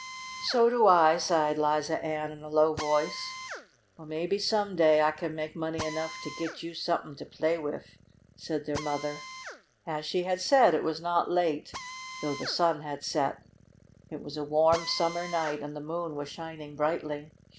"So do I," sighed Liza Ann in a low voice. "Well, maybe some day I can make money enough to git you somethin' to play wif," said their mother. As she had said, it was not late, though the sun had set. It was a warm, summer night, and the moon was shining brightly.